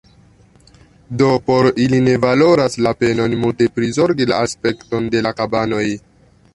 Do, por ili ne valoras la penon multe prizorgi la aspekton de la kabanoj.